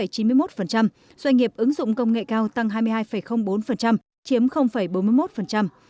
doanh nghiệp ứng dụng công nghệ cao tăng hai mươi hai bốn chiếm bốn mươi một